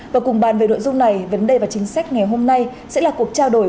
và cùng bàn về nội dung này vấn đề và chính sách ngày hôm nay sẽ là cuộc trao đổi